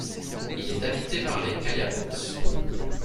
Il est habité par les Kayapós.